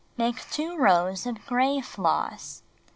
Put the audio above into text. Make 2 rows of gray floss.